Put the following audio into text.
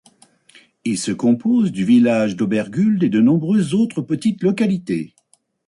Il se compose du village d'Obergurgl et de nombreuses autres petites localités.